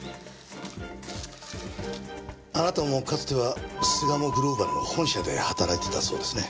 あなたもかつては巣鴨グローバルの本社で働いていたそうですね。